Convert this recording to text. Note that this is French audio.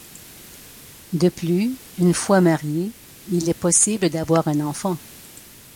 De plus, une fois marié, il est possible d'avoir un enfant.